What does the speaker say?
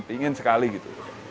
ingin sekali gitu